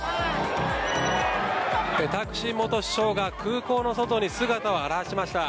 タクシン元首相が空港の外に姿を現しました。